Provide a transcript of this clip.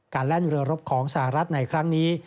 แล่นเรือรบของสหรัฐในครั้งนี้